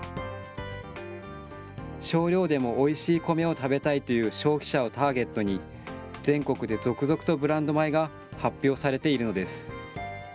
少量でもおいしい米を食べたいという消費者をターゲットに、全国で続々とブランド米が発表されているのです。